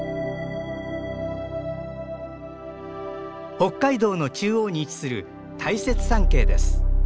北海道の中央に位置する大雪山系です。